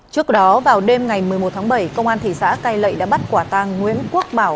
trước đó vào đêm ngày một mươi một tháng bảy công an thị xã cây lậy đã bắt quả tàng nguyễn quốc bảo